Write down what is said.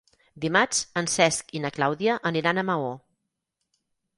Dimarts en Cesc i na Clàudia aniran a Maó.